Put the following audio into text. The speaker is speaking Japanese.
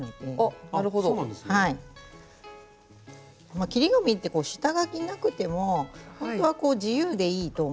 まあ切り紙って下描きなくてもほんとはこう自由でいいと思うので。